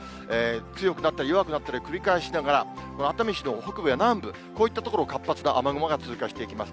強くなったり、弱くなったりを繰り返しながら、熱海市の北部や南部、こういった所、活発な雨雲が通過していきます。